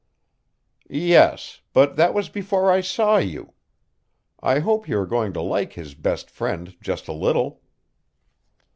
"Yes, but that was before I saw you. I hope you are going to like his best friend just a little."